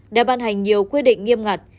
đã ban hành nhiều quyết định nghiêm ngặt